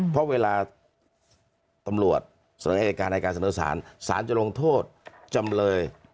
เพราะเวลาตำรวจสนับแรกการแรกการสนุนสารสารจะลงโทษจำเลย